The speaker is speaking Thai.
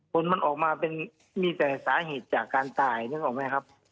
ผลมันออกมาเป็นมีแต่สาเหตุจากการตายนึกออกไหมครับ